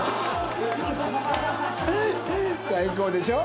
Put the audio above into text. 最高でしょ。